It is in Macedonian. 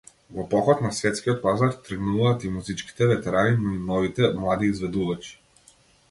Во поход на светскиот пазар тргнуваат и музичките ветерани, но и новите, млади изведувачи.